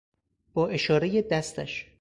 با اشارهی دستش